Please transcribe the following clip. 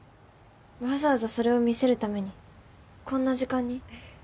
わざわざそれを見せるためにこんな時間に？